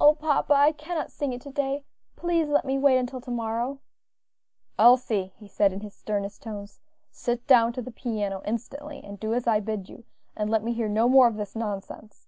"O papa! I cannot sing it to day; please let me wait until to morrow." "Elsie," he said in his sternest tones, "sit down to the piano instantly, and do as I bid you, and let me hear no more of this nonsense."